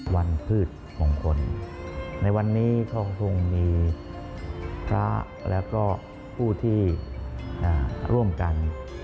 พืชมงคลในวันนี้ท่องมีพระแล้วก็ผู้ที่ร่วมกัน